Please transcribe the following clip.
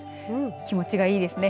気持ちがいいですね。